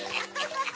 ハハハハ！